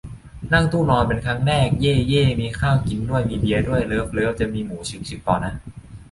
นั่งตู้นอนเป็นครั้งแรก เย่ เย่ มีข้าวกินด้วย มีเบียร์ด้วย เลิฟเลิฟ จะมีหมูฉึกฉึกป่าวนะ